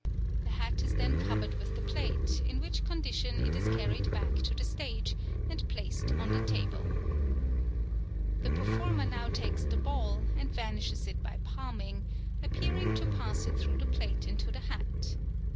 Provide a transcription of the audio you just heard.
The hat is then covered with the plate, in which condition it is carried back to the stage, and placed on the table. The performer now takes the ball, and vanishes it by palming; appearing to pass it through the plate into the hat.